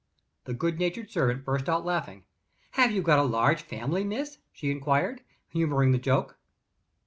The good natured servant burst out laughing. "Have you got a large family, miss?" she inquired, humoring the joke.